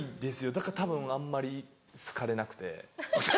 だからたぶんあんまり好かれなくて。